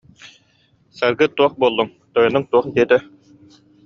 Саргы, туох буоллуҥ, тойонуҥ туох диэтэ